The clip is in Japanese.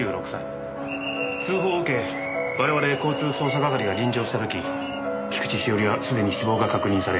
通報を受け我々交通捜査係が臨場した時菊地詩織はすでに死亡が確認され。